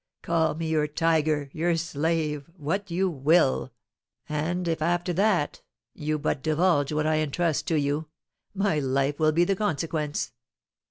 "Call me your tiger, your slave, what you will, and if after that you but divulge what I entrust to you, my life will be the consequence.